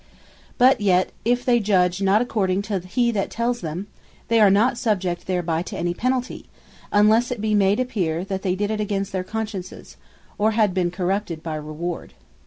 But yet if they judge not according to that he tells them, they are not subject thereby to any penalty; unlesse it be made appear, they did it against their consciences, or had been corrupted by reward.